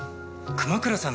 熊倉さん？